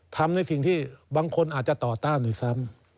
ทำในสิ่งที่บางคนอาจจะต่อต้านด้วยซ้ำ